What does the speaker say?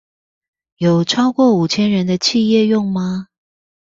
有超過五千人的企業用嗎？